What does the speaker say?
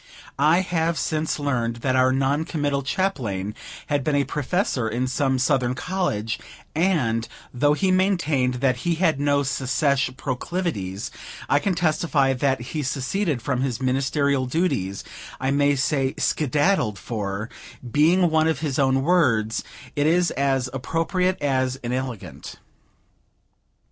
I have since learned that our non committal Chaplain had been a Professor, in some Southern College; and, though he maintained that he had no secesh proclivities, I can testify that he seceded from his ministerial duties, I may say, skedaddled; for, being one of his own words, it is as appropriate as inelegant.